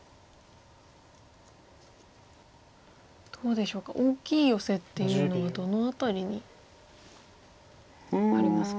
どうでしょうか大きいヨセっていうのはどの辺りにありますか？